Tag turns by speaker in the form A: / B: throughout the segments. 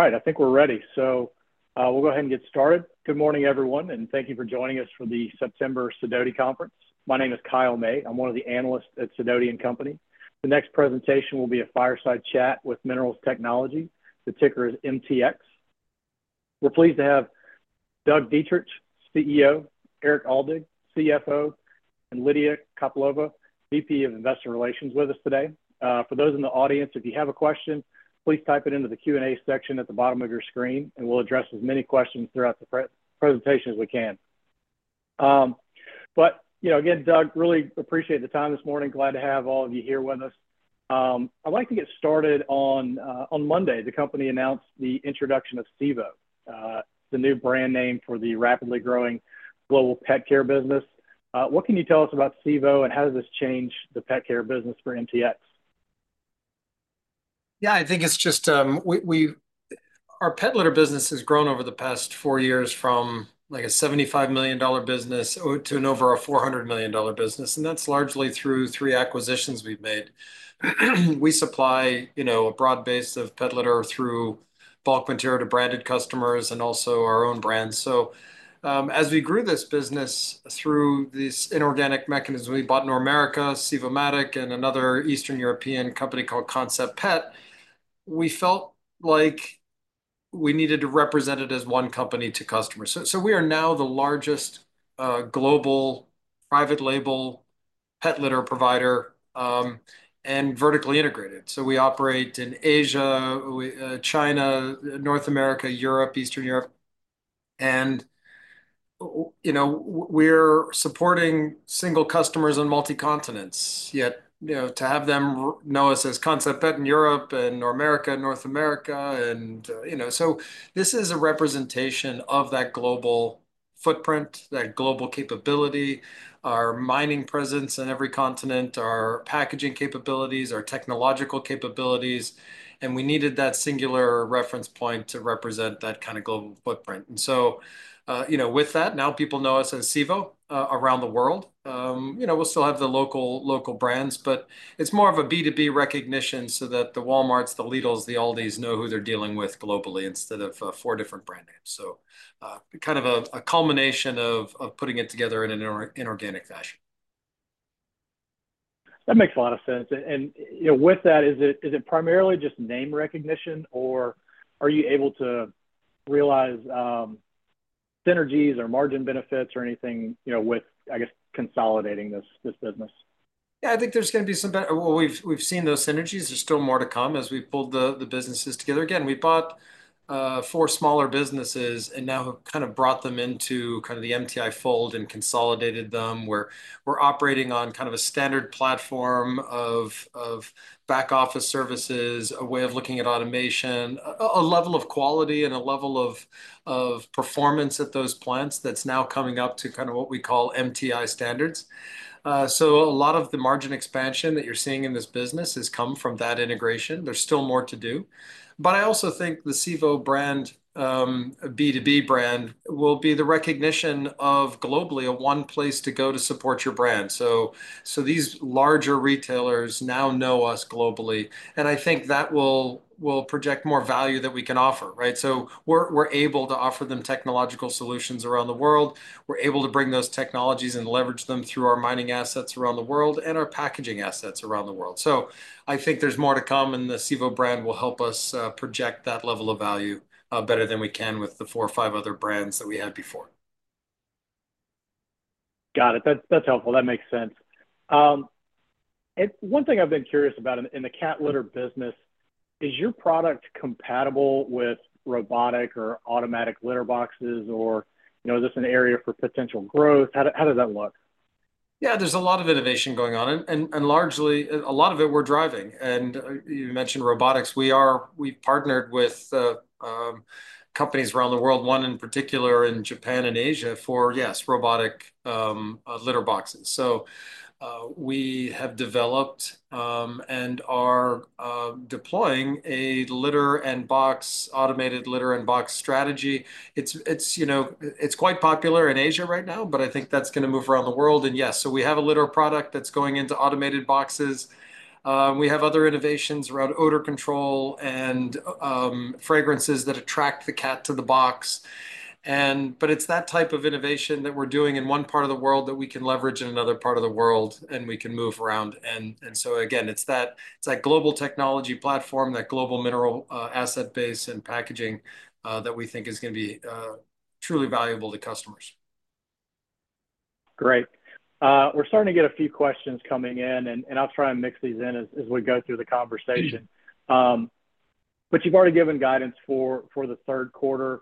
A: All right, I think we're ready, so we'll go ahead and get started. Good morning, everyone, and thank you for joining us for the September Sidoti Conference. My name is Kyle May. I'm one of the analysts at Sidoti & Company. The next presentation will be a fireside chat with Minerals Technology. The ticker is MTX. We're pleased to have Doug Dietrich, CEO, Erik Aldag, CFO, and Lydia Kaptur, VP of Investor Relations, with us today. For those in the audience, if you have a question, please type it into the Q&A section at the bottom of your screen, and we'll address as many questions throughout the presentation as we can, but you know, again, Doug, really appreciate the time this morning. Glad to have all of you here with us. I'd like to get started. On Monday, the company announced the introduction of SIVO, the new brand name for the rapidly growing global pet care business. What can you tell us about SIVO, and how does this change the pet care business for MTX?
B: Yeah, our pet litter business has grown over the past four years from, like, a $75 million business to over a $400 million business, and that's largely through three acquisitions we've made. We supply, you know, a broad base of pet litter through bulk material to branded customers and also our own brands. So, as we grew this business through these inorganic mechanisms, we bought Normerica, Sivomatic, and another Eastern European company called Concept Pet, we felt like we needed to represent it as one company to customers. So, we are now the largest global private label pet litter provider, and vertically integrated. So we operate in Asia, China, North America, Europe, Eastern Europe, and you know, we're supporting single customers on multi-continents, yet you know, to have them know us as Concept Pet in Europe and Normerica in North America, and you know. This is a representation of that global footprint, that global capability, our mining presence in every continent, our packaging capabilities, our technological capabilities, and we needed that singular reference point to represent that kind of global footprint. And so you know, with that, now people know us as SIVO around the world. You know, we'll still have the local brands, but it's more of a B2B recognition so that the Walmarts, the Lidls, the ALDIs know who they're dealing with globally instead of four different brand names. So, kind of a culmination of putting it together in an inorganic fashion.
A: That makes a lot of sense. And, you know, with that, is it primarily just name recognition, or are you able to realize synergies or margin benefits or anything, you know, with, I guess, consolidating this business?
B: Yeah, I think there's going to be some. Well, we've seen those synergies. There's still more to come as we've pulled the businesses together. Again, we bought four smaller businesses and now have kind of brought them into kind of the MTI fold and consolidated them, where we're operating on kind of a standard platform of back office services, a way of looking at automation, a level of quality and a level of performance at those plants that's now coming up to kind of what we call MTI standards. So a lot of the margin expansion that you're seeing in this business has come from that integration. There's still more to do, but I also think the SIVO brand, B2B brand, will be the recognition of globally, a one place to go to support your brand. So these larger retailers now know us globally, and I think that will project more value that we can offer, right? We're able to offer them technological solutions around the world. We're able to bring those technologies and leverage them through our mining assets around the world and our packaging assets around the world. So I think there's more to come, and the SIVO brand will help us project that level of value better than we can with the four or five other brands that we had before.
A: Got it. That's, that's helpful. That makes sense. And one thing I've been curious about in the cat litter business, is your product compatible with robotic or automatic litter boxes or, you know, is this an area for potential growth? How does that look?
B: Yeah, there's a lot of innovation going on, and largely a lot of it we're driving. And you mentioned robotics. We've partnered with companies around the world, one in particular in Japan and Asia, for yes, robotic litter boxes. So we have developed and are deploying a litter and box, automated litter and box strategy. It's you know, it's quite popular in Asia right now, but I think that's going to move around the world, and yes, so we have a litter product that's going into automated boxes. We have other innovations around odor control and fragrances that attract the cat to the box, and but it's that type of innovation that we're doing in one part of the world that we can leverage in another part of the world, and we can move around. And so again, it's that global technology platform, that global mineral asset base and packaging that we think is going to be truly valuable to customers.
A: Great. We're starting to get a few questions coming in, and I'll try and mix these in as we go through the conversation. But you've already given guidance for the Q3.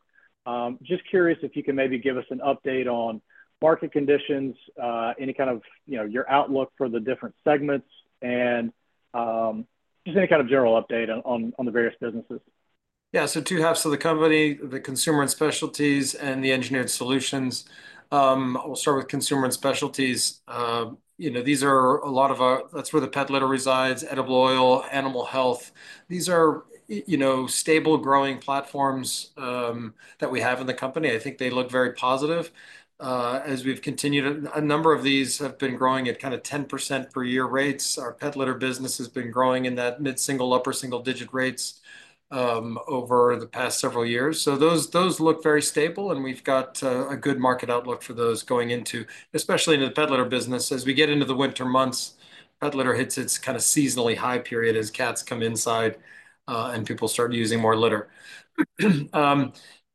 A: Just curious if you can maybe give us an update on market conditions, any kind of, you know, your outlook for the different segments and just any kind of general update on the various businesses.
B: Yeah, so two halves of the company, the consumer and specialties, and the engineered solutions. We'll start with consumer and specialties. You know, these are a lot of our, that's where the pet litter resides, edible oil, animal health. These are, you know, stable, growing platforms that we have in the company. I think they look very positive. As we've continued, a number of these have been growing at kind of 10% per year rates. Our pet litter business has been growing in that mid-single, upper single-digit rates over the past several years. So those look very stable, and we've got a good market outlook for those going into, especially in the pet litter business. As we get into the winter months, pet litter hits its kind of seasonally high period as cats come inside, and people start using more litter.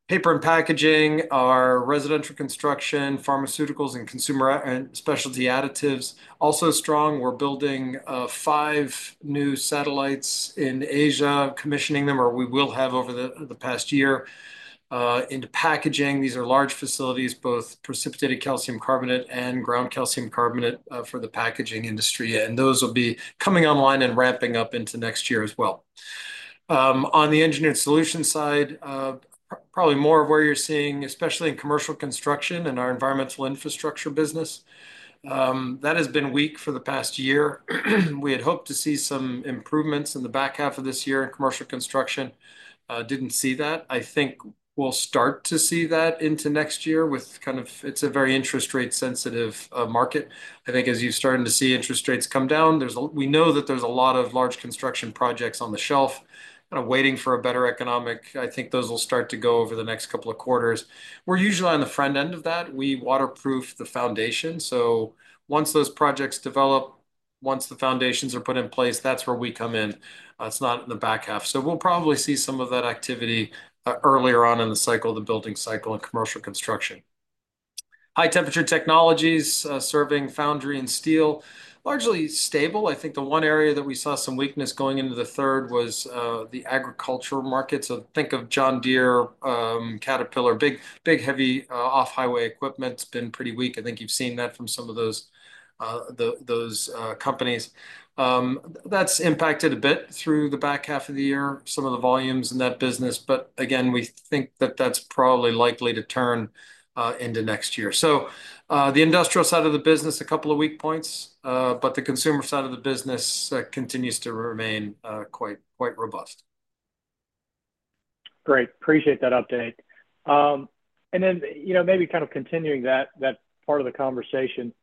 B: Paper and packaging, our residential construction, pharmaceuticals, and consumer and specialty additives, also strong. We're building five new satellites in Asia, commissioning them, or we will have over the past year. Into packaging, these are large facilities, both precipitated calcium carbonate and ground calcium carbonate, for the packaging industry, and those will be coming online and ramping up into next year as well. On the engineered solutions side, probably more of where you're seeing, especially in commercial construction and our environmental infrastructure business, that has been weak for the past year. We had hoped to see some improvements in the back half of this year in commercial construction. Didn't see that. I think we'll start to see that into next year with kind of... It's a very interest rate sensitive market. I think as you're starting to see interest rates come down, we know that there's a lot of large construction projects on the shelf, kind of waiting for a better economic, I think those will start to go over the next couple of quarters. We're usually on the front end of that. We waterproof the foundation, so once those projects develop, once the foundations are put in place, that's where we come in. It's not in the back half. So we'll probably see some of that activity earlier on in the cycle, the building cycle in commercial construction. High-temperature technologies serving foundry and steel, largely stable. I think the one area that we saw some weakness going into the third was the agricultural market. So think of John Deere, Caterpillar, big, big, heavy off-highway equipment's been pretty weak. I think you've seen that from some of those companies. That's impacted a bit through the back half of the year, some of the volumes in that business, but again, we think that that's probably likely to turn into next year. So the industrial side of the business, a couple of weak points, but the consumer side of the business continues to remain quite robust.
A: Great. Appreciate that update, and then, you know, maybe kind of continuing that part of the conversation,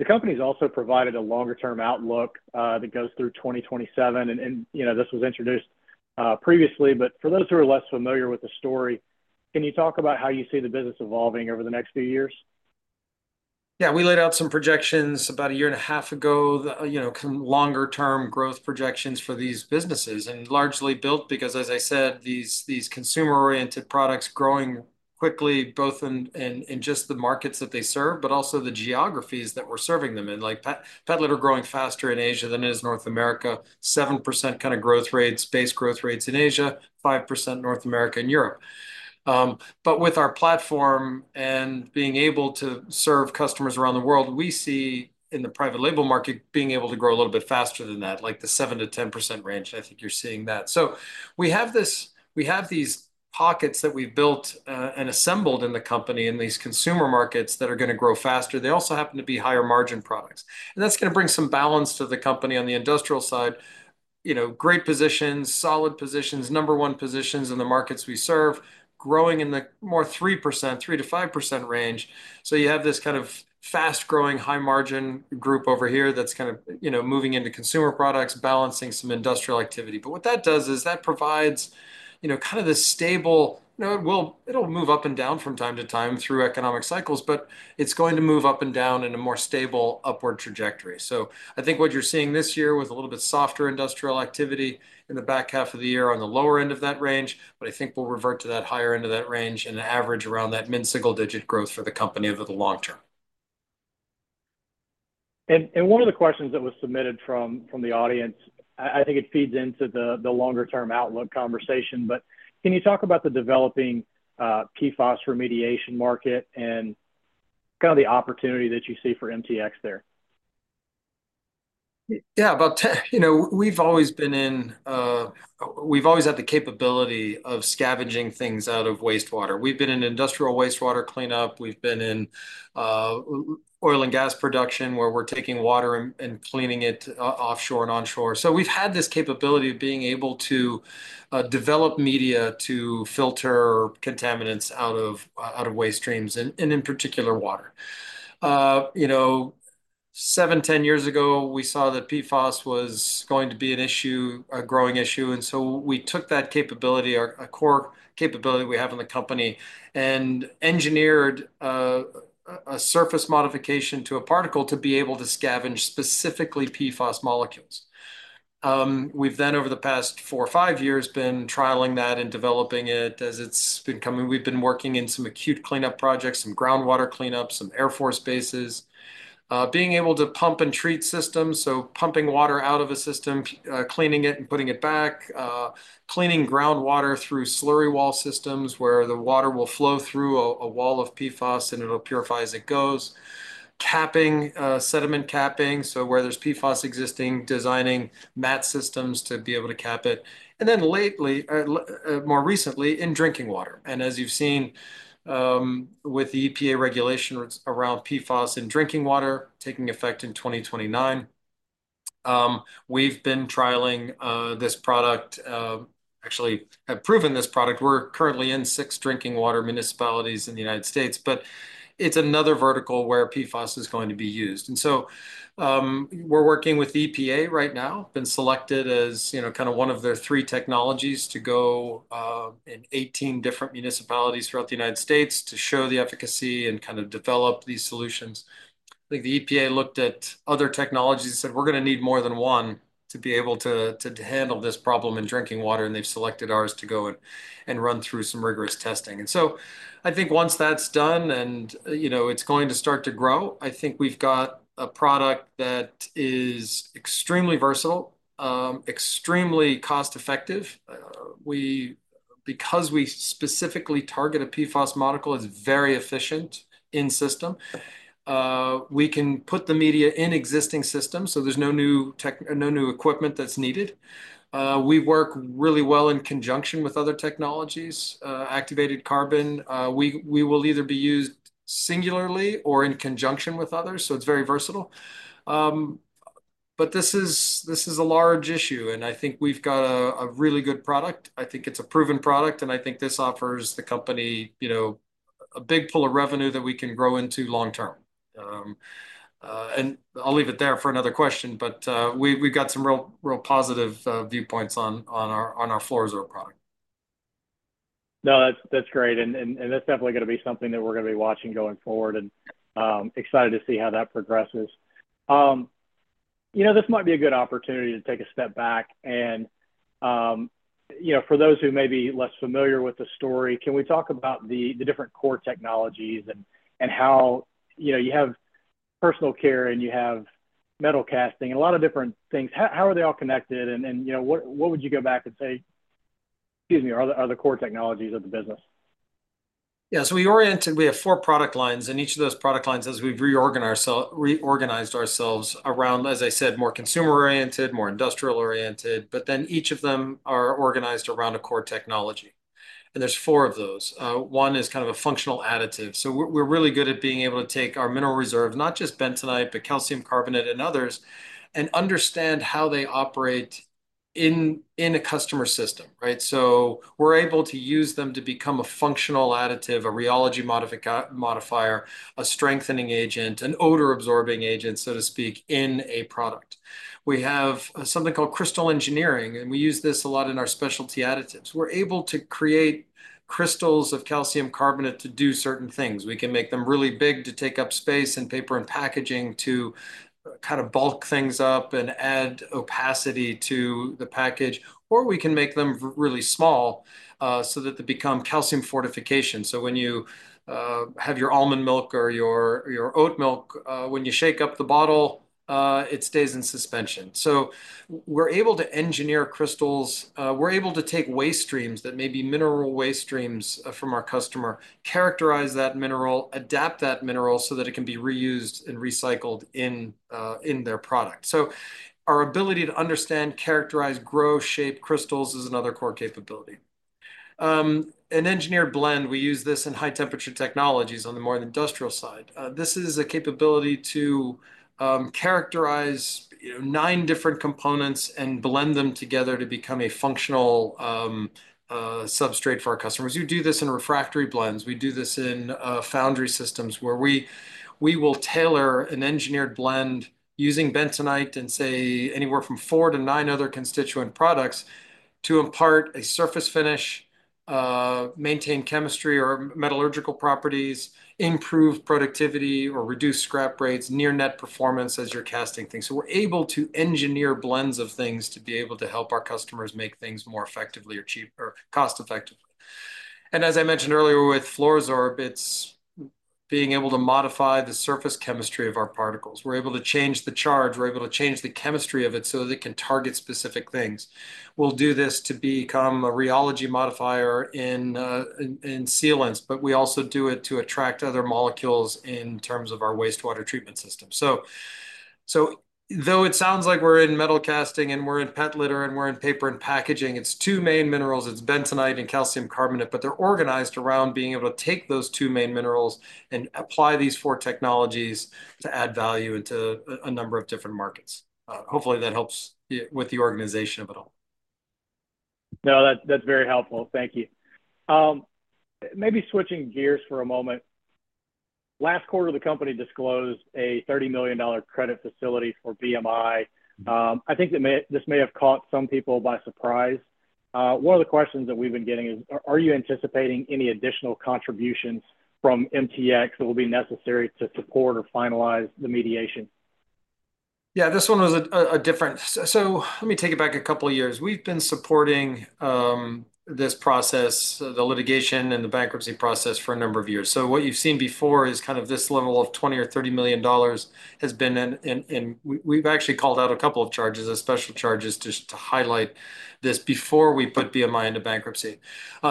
A: the company's also provided a longer-term outlook that goes through 2027, and you know, this was introduced previously, but for those who are less familiar with the story, can you talk about how you see the business evolving over the next few years?
B: Yeah, we laid out some projections about a year and a half ago, you know, some longer-term growth projections for these businesses. And largely built because, as I said, these consumer-oriented products growing quickly, both in just the markets that they serve, but also the geographies that we're serving them in. Like pet litter growing faster in Asia than it is North America, 7% kind of growth rates, base growth rates in Asia, 5% North America and Europe. But with our platform and being able to serve customers around the world, we see, in the private label market, being able to grow a little bit faster than that, like the 7% to 10% range, I think you're seeing that. So we have these pockets that we've built, and assembled in the company, in these consumer markets, that are going to grow faster. They also happen to be higher margin products, and that's going to bring some balance to the company on the industrial side. You know, great positions, solid positions, number one positions in the markets we serve, growing in the more 3% to 5% range. So you have this kind of fast-growing, high-margin group over here that's kind of, you know, moving into consumer products, balancing some industrial activity. But what that does is that provides, you know, kind of this stable. You know, it'll move up and down from time to time through economic cycles, but it's going to move up and down in a more stable, upward trajectory. So I think what you're seeing this year, with a little bit softer industrial activity in the back half of the year on the lower end of that range, but I think we'll revert to that higher end of that range and average around that mid-single-digit growth for the company over the long term.
A: One of the questions that was submitted from the audience. I think it feeds into the longer term outlook conversation, but can you talk about the developing PFAS remediation market and kind of the opportunity that you see for MTX there?
B: You know, we've always been in. We've always had the capability of scavenging things out of wastewater. We've been in industrial wastewater clean up. We've been in oil and gas production, where we're taking water and cleaning it offshore and onshore. So we've had this capability of being able to develop media to filter contaminants out of waste streams and in particular, water. You know, seven, 10 years ago, we saw that PFAS was going to be an issue, a growing issue, and so we took that capability, a core capability we have in the company, and engineered a surface modification to a particle to be able to scavenge specifically PFAS molecules. We've then, over the past four or five years, been trialing that and developing it as it's been coming. We've been working in some acute clean up projects, some groundwater clean up, some Air Force bases. Being able to pump and treat systems, so pumping water out of a system, cleaning it and putting it back, cleaning groundwater through slurry wall systems, where the water will flow through a wall of PFAS, and it'll purify as it goes. Capping, sediment capping, so where there's PFAS existing, designing mat systems to be able to cap it. And then lately, more recently, in drinking water. And as you've seen, with the EPA regulation around PFAS in drinking water taking effect in 2029, we've been trialing this product, actually have proven this product. We're currently in six drinking water municipalities in the United States, but it's another vertical where PFAS is going to be used. And so, we're working with the EPA right now, been selected as, you know, kind of one of their three technologies to go in 18 different municipalities throughout the United States to show the efficacy and kind of develop these solutions. I think the EPA looked at other technologies and said, "We're going to need more than one to be able to, to handle this problem in drinking water," and they've selected ours to go and, and run through some rigorous testing. And so, I think once that's done and, you know, it's going to start to grow, I think we've got a product that is extremely versatile, extremely cost-effective. We, because we specifically target a PFAS molecule, it's very efficient in system. We can put the media in existing systems, so there's no new equipment that's needed. We work really well in conjunction with other technologies. Activated carbon, we will either be used singularly or in conjunction with others, so it's very versatile, but this is a large issue, and I think we've got a really good product. I think it's a proven product, and I think this offers the company, you know, a big pool of revenue that we can grow into long term, and I'll leave it there for another question, but we've got some real positive viewpoints on our FLUORO-SORB product.
A: No, that's great, and, and, and that's definitely going to be something that we're going to be watching going forward, and, excited to see how that progresses. You know, this might be a good opportunity to take a step back and, you know, for those who may be less familiar with the story, can we talk about the, the different core technologies and, and how, you know, you have personal care, and you have metal casting, and a lot of different things. How, how are they all connected? And, and, you know, what, what would you go back and say, excuse me, are the, are the core technologies of the business?
B: Yeah. So we have four product lines, and each of those product lines, as we've reorganized ourselves around, as I said, more consumer-oriented, more industrial-oriented, but then each of them are organized around a core technology, and there's four of those. One is kind of a functional additive. So we're, we're really good at being able to take our mineral reserve, not just bentonite, but calcium carbonate and others, and understand how they operate in, in a customer system, right? So we're able to use them to become a functional additive, a rheology modifier, a strengthening agent, an odor-absorbing agent, so to speak, in a product. We have something called crystal engineering, and we use this a lot in our specialty additives. We're able to create crystals of calcium carbonate to do certain things. We can make them really big to take up space in paper and packaging, to kind of bulk things up and add opacity to the package, or we can make them really small, so that they become calcium fortification. So when you have your almond milk or your oat milk, when you shake up the bottle, it stays in suspension. So we're able to engineer crystals. We're able to take waste streams that may be mineral waste streams from our customer, characterize that mineral, adapt that mineral so that it can be reused and recycled in their product. So our ability to understand, characterize, grow, shape crystals is another core capability. An engineered blend, we use this in high-temperature technologies on the more industrial side. This is a capability to characterize, you know, nine different components and blend them together to become a functional substrate for our customers. We do this in refractory blends. We do this in foundry systems, where we will tailor an engineered blend using bentonite and, say, anywhere from four to nine other constituent products to impart a surface finish, maintain chemistry or metallurgical properties, improve productivity or reduce scrap rates, near net performance as you're casting things. So we're able to engineer blends of things to be able to help our customers make things more effectively or cheaper or cost-effective. As I mentioned earlier, with FLUORO-SORB, it's being able to modify the surface chemistry of our particles. We're able to change the charge. We're able to change the chemistry of it so that it can target specific things. We'll do this to become a rheology modifier in sealants, but we also do it to attract other molecules in terms of our wastewater treatment system. So though it sounds like we're in metal casting, and we're in pet litter, and we're in paper and packaging, it's two main minerals, bentonite and calcium carbonate, but they're organized around being able to take those two main minerals and apply these four technologies to add value into a number of different markets. Hopefully, that helps with the organization of it all.
A: No, that's very helpful. Thank you. Maybe switching gears for a moment, last quarter, the company disclosed a $30 million credit facility for BMI. I think this may have caught some people by surprise. One of the questions that we've been getting is, are you anticipating any additional contributions from MTX that will be necessary to support or finalize the mediation?
B: Yeah, this one was a different. So let me take it back a couple of years. We've been supporting this process, the litigation and the bankruptcy process for a number of years. So what you've seen before is kind of this level of $20 or 30 million has been in. We've actually called out a couple of charges, as special charges, just to highlight this before we put BMI into bankruptcy.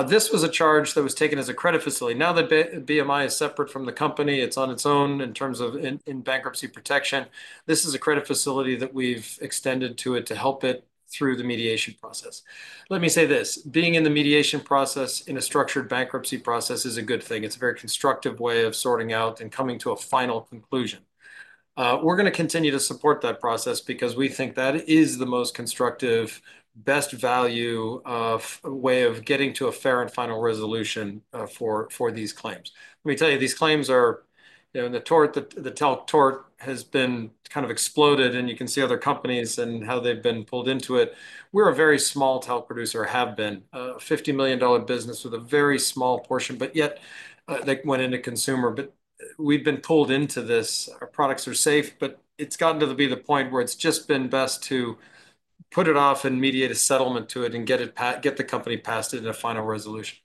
B: This was a charge that was taken as a credit facility. Now that BMI is separate from the company, it's on its own in terms of in bankruptcy protection, this is a credit facility that we've extended to it to help it through the mediation process. Let me say this: being in the mediation process in a structured bankruptcy process is a good thing. It's a very constructive way of sorting out and coming to a final conclusion. We're going to continue to support that process because we think that is the most constructive, best value way of getting to a fair and final resolution for these claims. Let me tell you, these claims are, you know, the talc tort has been kind of exploded, and you can see other companies and how they've been pulled into it. We're a very small talc producer, have been. A $50 million business with a very small portion, but yet they went into consumer. But we've been pulled into this. Our products are safe, but it's gotten to be the point where it's just been best to put it off and mediate a settlement to it and get the company past it in a final resolution.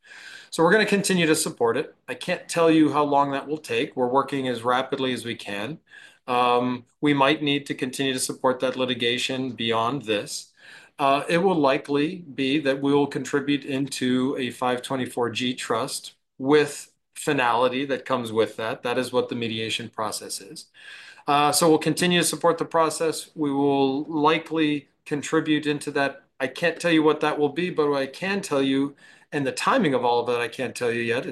B: So we're going to continue to support it. I can't tell you how long that will take. We're working as rapidly as we can. We might need to continue to support that litigation beyond this. It will likely be that we will contribute into a 524(g) trust, with finality that comes with that. That is what the mediation process is. So we'll continue to support the process. We will likely contribute into that. I can't tell you what that will be, but what I can tell you and the timing of all of that, I can't tell you yet,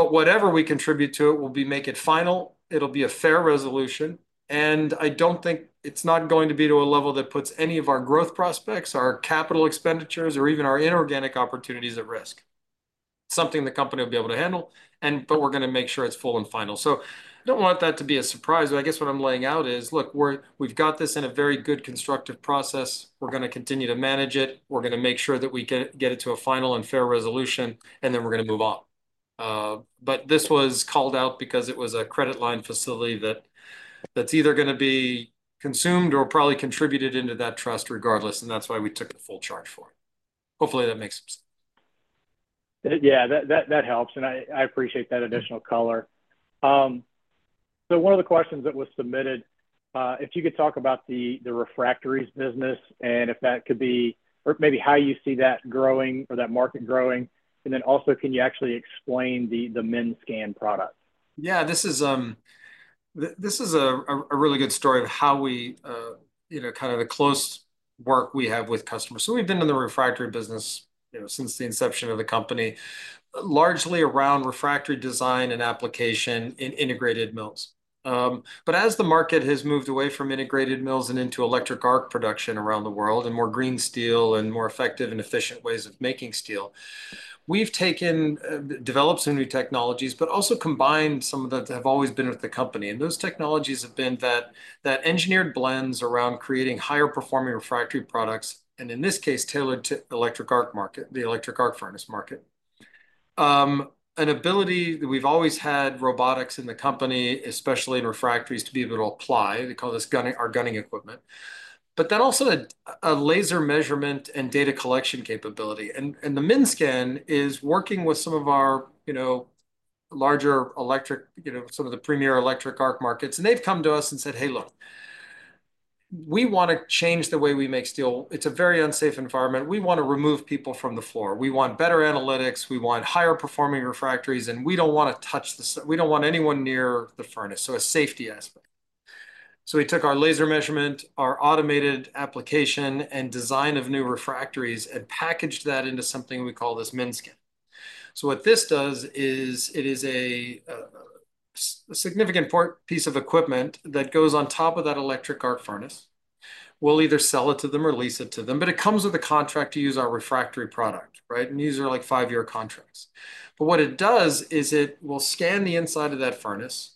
B: it's still unclear. But whatever we contribute to it will be make it final. It'll be a fair resolution, and I don't think it's not going to be to a level that puts any of our growth prospects, our capital expenditures, or even our inorganic opportunities at risk. Something the company will be able to handle, but we're going to make sure it's full and final. So I don't want that to be a surprise. But I guess what I'm laying out is, look, we've got this in a very good, constructive process. We're going to continue to manage it. We're going to make sure that we get it to a final and fair resolution, and then we're going to move on. But this was called out because it was a credit line facility that, that's either going to be consumed or probably contributed into that trust regardless, and that's why we took the full charge for it. Hopefully, that makes sense.
A: Yeah, that helps, and I appreciate that additional color. So one of the questions that was submitted, if you could talk about the refractories business, and if that could be or maybe how you see that growing or that market growing. And then also, can you actually explain the MinScan product?
B: Yeah, this is a really good story of how we, you know, kind of the close work we have with customers. So we've been in the refractory business, you know, since the inception of the company, largely around refractory design and application in integrated mills. But as the market has moved away from integrated mills and into electric arc production around the world, and more green steel and more effective and efficient ways of making steel, we've developed some new technologies, but also combined some that have always been with the company. And those technologies have been engineered blends around creating higher-performing refractory products, and in this case, tailored to electric arc market, the electric arc furnace market. An ability that we've always had, robotics in the company, especially in refractories, to be able to apply. They call this gunning, our gunning equipment. But then also a laser measurement and data collection capability. And the MinScan is working with some of our, you know, larger electric, you know, some of the premier electric arc markets. And they've come to us and said, "Hey, look, we want to change the way we make steel. It's a very unsafe environment. We want to remove people from the floor. We want better analytics, we want higher-performing refractories, and we don't want to touch the we don't want anyone near the furnace." So a safety aspect. So we took our laser measurement, our automated application, and design of new refractories, and packaged that into something we call this MinScan. So what this does is, it is a significant part, piece of equipment that goes on top of that electric arc furnace. We'll either sell it to them or lease it to them, but it comes with a contract to use our refractory product, right? And these are like five-year contracts. But what it does is, it will scan the inside of that furnace,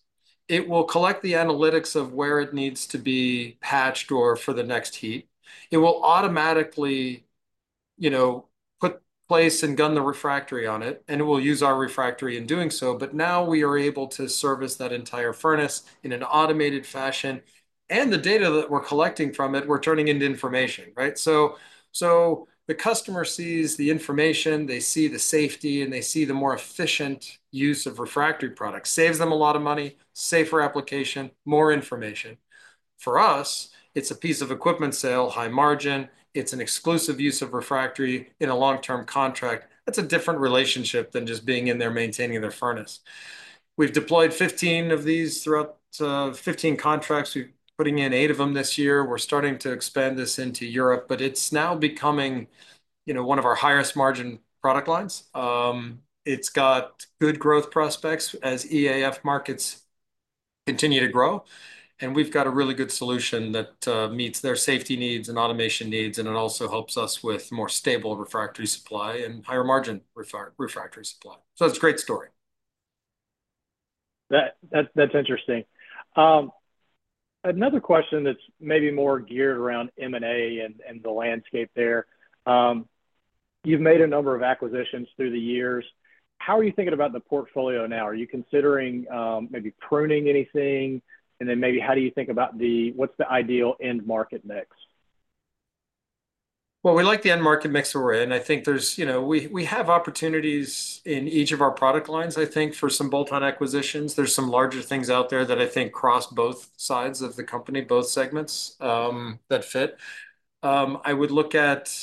B: it will collect the analytics of where it needs to be patched or for the next heat. It will automatically, you know, put, place, and gun the refractory on it, and it will use our refractory in doing so. But now we are able to service that entire furnace in an automated fashion, and the data that we're collecting from it, we're turning into information, right? So, the customer sees the information, they see the safety, and they see the more efficient use of refractory products. Saves them a lot of money, safer application, more information. For us, it's a piece of equipment sale, high margin. It's an exclusive use of refractory in a long-term contract. That's a different relationship than just being in there, maintaining their furnace. We've deployed 15 of these throughout 15 contracts. We're putting in eight of them this year. We're starting to expand this into Europe, but it's now becoming, you know, one of our highest-margin product lines. It's got good growth prospects as EAF markets continue to grow, and we've got a really good solution that meets their safety needs and automation needs, and it also helps us with more stable refractory supply and higher-margin refractory supply. So it's a great story.
A: That's interesting. Another question that's maybe more geared around M&A and the landscape there. You've made a number of acquisitions through the years. How are you thinking about the portfolio now? Are you considering maybe pruning anything? And then maybe how do you think about what's the ideal end market mix?
B: We like the end market mix we're in. I think there's, you know, we have opportunities in each of our product lines, I think, for some bolt-on acquisitions. There's some larger things out there that I think cross both sides of the company, both segments that fit. I would look at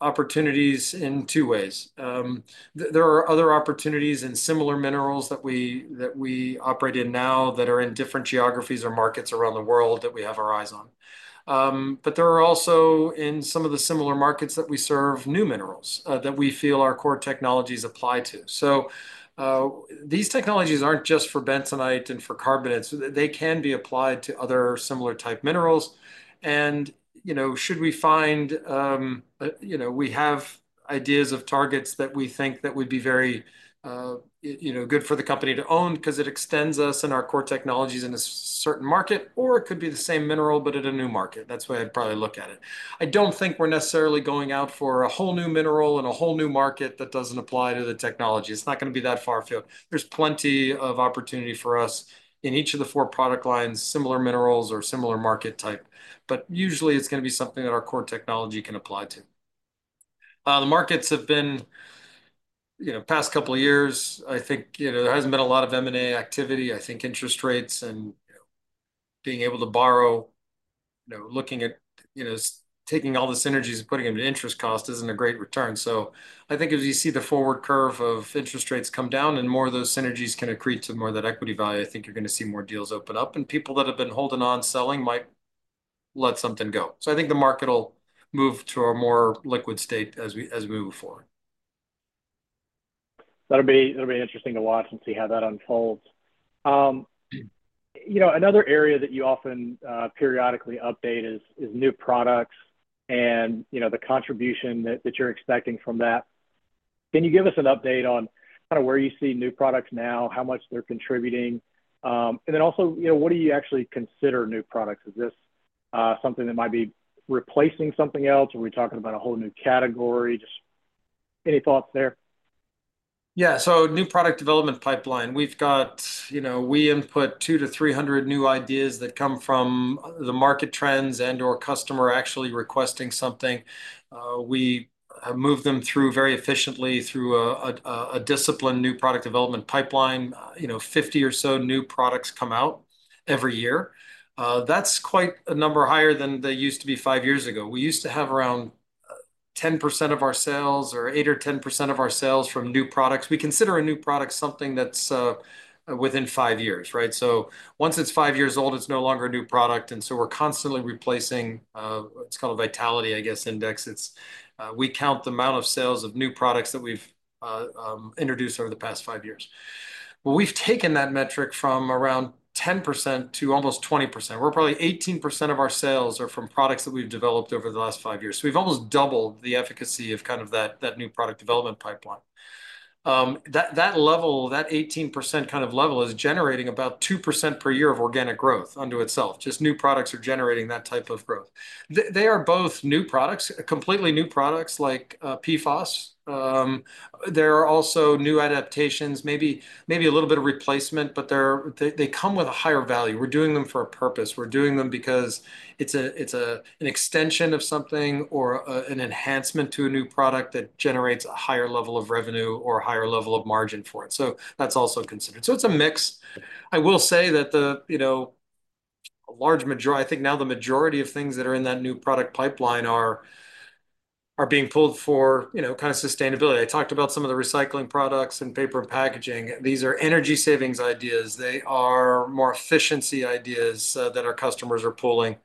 B: opportunities in two ways. There are other opportunities in similar minerals that we operate in now that are in different geographies or markets around the world that we have our eyes on, but there are also, in some of the similar markets that we serve, new minerals that we feel our core technologies apply to, so these technologies aren't just for bentonite and for carbonates. They can be applied to other similar type minerals, and you know, should we find, You know, we have ideas of targets that we think that would be very, you know, good for the company to own 'cause it extends us and our core technologies in a certain market, or it could be the same mineral, but at a new market. That's the way I'd probably look at it. I don't think we're necessarily going out for a whole new mineral and a whole new market that doesn't apply to the technology. It's not going to be that far-fetched. There's plenty of opportunity for us in each of the four product lines, similar minerals or similar market type, but usually it's going to be something that our core technology can apply to. The markets have been, you know, past couple of years, I think, you know, there hasn't been a lot of M&A activity. I think interest rates and, you know, being able to borrow, you know, looking at, you know, taking all the synergies and putting them into interest cost isn't a great return. So I think as you see the forward curve of interest rates come down and more of those synergies can accrete to more of that equity value, I think you're going to see more deals open up, and people that have been holding on selling might let something go. So I think the market will move to a more liquid state as we, as we move forward.
A: That'll be, that'll be interesting to watch and see how that unfolds. You know, another area that you often periodically update is new products and, you know, the contribution that you're expecting from that. Can you give us an update on kind of where you see new products now, how much they're contributing? And then also, you know, what do you actually consider new products? Is this something that might be replacing something else, or are we talking about a whole new category? Just any thoughts there?
B: Yeah, so new product development pipeline. We've got, you know, we input two to three hundred new ideas that come from the market trends and/or customer actually requesting something. We move them through very efficiently through a discipline new product development pipeline. You know, 50 or so new products come out every year. That's quite a number higher than they used to be five years ago. We used to have around 10% of our sales, or 8% or 10% of our sales from new products. We consider a new product something that's within five years, right? So once it's five years old, it's no longer a new product, and so we're constantly replacing, it's called a vitality, I guess, index. It's we count the amount of sales of new products that we've introduced over the past five years. Well, we've taken that metric from around 10% to almost 20%, where probably 18% of our sales are from products that we've developed over the last five years. So we've almost doubled the efficacy of kind of that new product development pipeline. That level, that 18% kind of level is generating about 2% per year of organic growth unto itself. Just new products are generating that type of growth. They are both new products, completely new products like PFAS. There are also new adaptations, maybe a little bit of replacement, but they come with a higher value. We're doing them for a purpose. We're doing them because it's an extension of something or an enhancement to a new product that generates a higher level of revenue or a higher level of margin for it. So that's also considered. So it's a mix. I will say that, you know, a large majority. I think now the majority of things that are in that new product pipeline are being pulled for, you know, kind of sustainability. I talked about some of the recycling products and paper and packaging. These are energy savings ideas. They are more efficiency ideas that our customers are pulling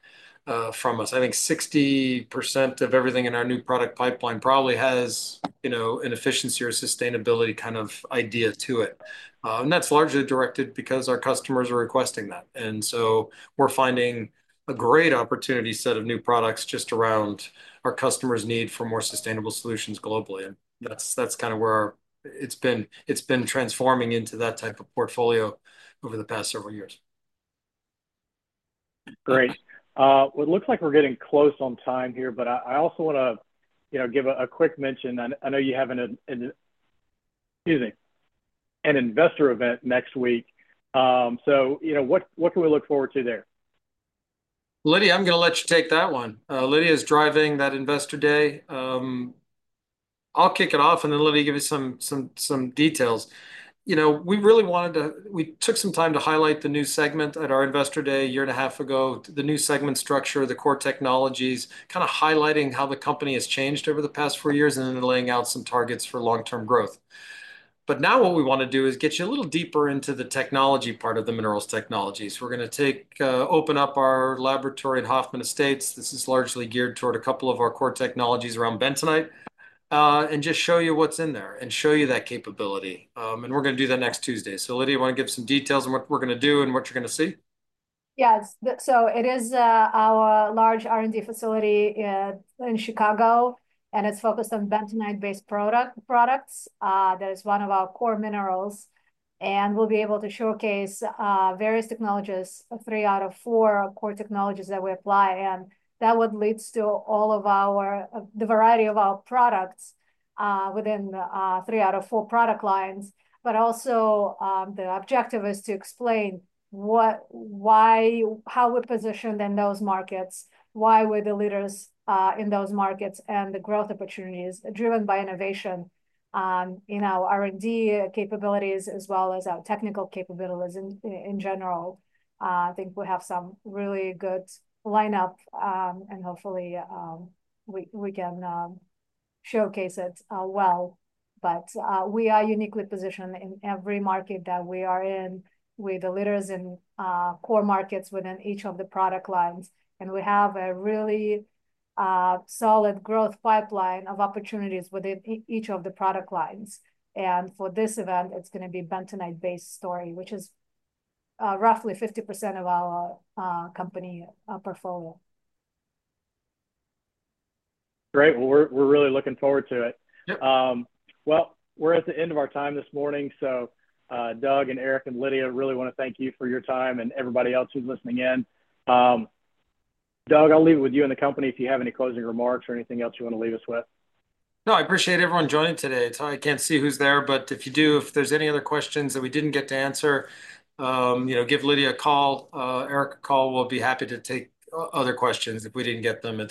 B: from us. I think 60% of everything in our new product pipeline probably has, you know, an efficiency or sustainability kind of idea to it. And that's largely directed because our customers are requesting that. And so we're finding a great opportunity set of new products just around our customers' need for more sustainable solutions globally, and that's kind of where it's been, it's been transforming into that type of portfolio over the past several years.
A: Great. Well, it looks like we're getting close on time here, but I also want to, you know, give a quick mention. I know you have an, excuse me, an investor event next week. So, you know, what can we look forward to there?
B: Lydia, I'm going to let you take that one. Lydia is driving that investor day. I'll kick it off, and then Lydia give you some details. You know, we really wanted to, we took some time to highlight the new segment at our investor day a year and a half ago, the new segment structure, the core technologies, kind of highlighting how the company has changed over the past four years, and then laying out some targets for long-term growth. But now what we want to do is get you a little deeper into the technology part of the Minerals Technology. So we're going to take open up our laboratory at Hoffman Estates, this is largely geared toward a couple of our core technologies around bentonite, and just show you what's in there and show you that capability. We're going to do that next Tuesday. So, Lydia, you want to give some details on what we're going to do and what you're going to see?
C: Yeah. It is our large R&D facility in Chicago, and it's focused on bentonite-based products. That is one of our core minerals, and we'll be able to showcase various technologies, three out of four core technologies that we apply, and that would leads to all of our, the variety of our products within three out of four product lines, but also the objective is to explain what, why, how we're positioned in those markets, why we're the leaders in those markets, and the growth opportunities driven by innovation in our R&D capabilities, as well as our technical capabilities in general. I think we have some really good line up, and hopefully we can showcase it well, but we are uniquely positioned in every market that we are in. We're the leaders in core markets within each of the product lines, and we have a really solid growth pipeline of opportunities within each of the product lines, and for this event, it's going to be bentonite-based story, which is roughly 50% of our company portfolio.
A: Great. Well, we're really looking forward to it.
B: Yep.
A: Well, we're at the end of our time this morning, so, Doug, and Erik, and Lydia, I really want to thank you for your time and everybody else who's listening in. Doug, I'll leave it with you and the company if you have any closing remarks or anything else you want to leave us with.
B: No, I appreciate everyone joining today. So I can't see who's there, but if you do, if there's any other questions that we didn't get to answer, you know, give Lydia a call, Erik a call. We'll be happy to take other questions if we didn't get them.